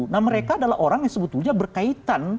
nah mereka adalah orang yang sebetulnya berkaitan